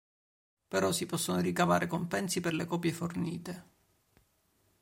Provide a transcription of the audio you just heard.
Però si possono ricavare compensi per le copie fornite.